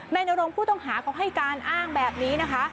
นายนรงค์ผู้ต้องหาก็ให้การอ้างแบบนี้นะคะ